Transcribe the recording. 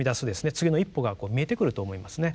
次の一歩が見えてくると思いますね。